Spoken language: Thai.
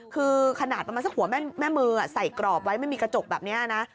คือขนาดประมาณสักหัวแม่มือใส่กรอบไว้ไม่มีกระจกแบบนี้นะ